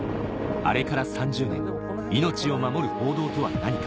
あれから３０年命を守る行動とは何か